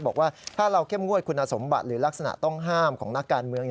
บอกว่าถ้าเราเข้มงวดคุณสมบัติหรือลักษณะต้องห้ามของนักการเมือง